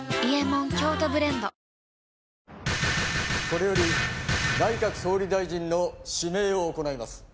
これより内閣総理大臣の指名を行います。